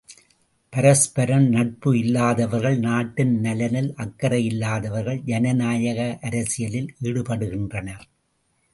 பரஸ்பரம் நட்பு இல்லாதவர்கள் நாட்டின் நலனில் அக்கறையில்லாதவர்கள் ஜனநாயக அரசியலில் ஈடுபடுகின்றனர்.